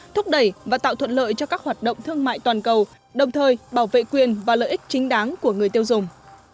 thúc đẩy và tạo thuận lợi cho các hoạt động thương mại toàn cầu đồng thời bảo vệ quyền và lợi ích chính đáng của người tiêu dùng